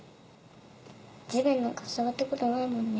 地面なんか触ったことないもんね。